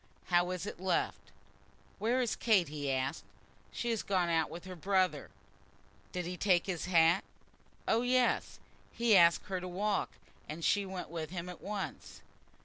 How is it left?" "Where is Kate?" he asked. "She has gone out with her brother." "Did he take his hat?" "Oh, yes. He asked her to walk, and she went with him at once."